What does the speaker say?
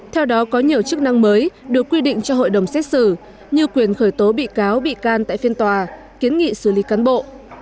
theo đó có nhiều chức năng mới được quy định cho hội đồng xét xử như quyền khởi tố bị cáo bị can tại phiên tòa kiến nghị xử lý cán bộ